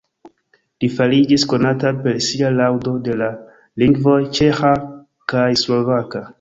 Li fariĝis konata per sia laŭdo de la lingvoj ĉeĥa kaj slovaka.